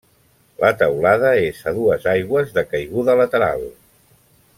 La teulada és a dues aigües de caiguda lateral.